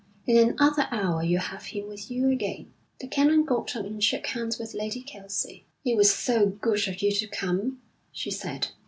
In another hour you'll have him with you again.' The Canon got up and shook hands with Lady Kelsey. 'It was so good of you to come,' she said.